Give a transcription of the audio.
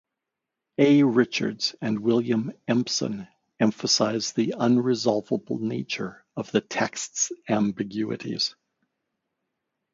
A. Richards and William Empson emphasised the unresolvable nature of the text's ambiguities.